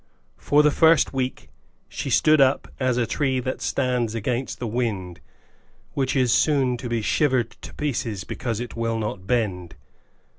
For the first week she stood up as a tree that stands against the wind, which is soon to be shivered to pieces because it will not bend.